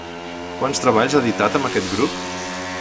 Quants treballs ha editat amb aquest grup?